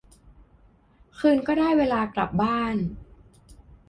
คืนก็ได้เวลากลับบ้าน